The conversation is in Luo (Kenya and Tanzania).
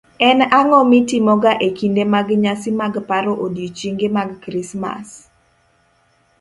En ang'o mitimoga e kinde mag nyasi mag paro odiechienge mag Krismas?